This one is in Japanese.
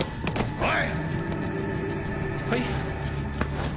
おい。